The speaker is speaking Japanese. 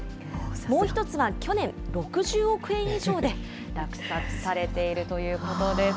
もう１つは、去年、６０億円以上で落札されているということです。